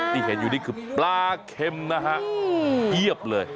ที่เห็นอยู่นี่คือปลาเข็มนะฮะเพียบเลย